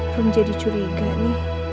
pun jadi curiga nih